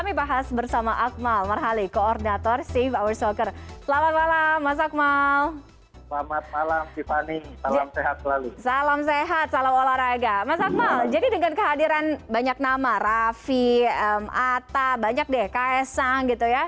saor olahraga mas akmal jadi dengan kehadiran banyak nama raffi ata banyak deh ks sang gitu ya